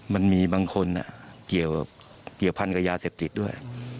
มันมีบางคนอ่ะเกี่ยวเกี่ยวพันธุ์กับยาเสพติดด้วย